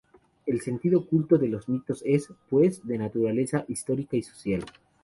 El sentido oculto de los mitos es, pues, de naturaleza histórica y social.